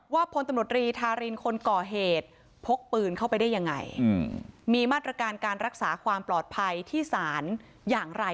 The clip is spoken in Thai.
พลตำรวจรีธารินคนก่อเหตุพกปืนเข้าไปได้ยังไงมีมาตรการการรักษาความปลอดภัยที่ศาลอย่างไร